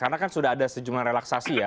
karena kan sudah ada sejumlah relaksasi ya